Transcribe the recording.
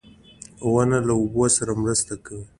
• ونه له اوبو سره مرسته کوي.